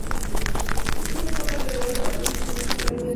Stevens toca alrededor de catorce instrumentos a lo largo del disco.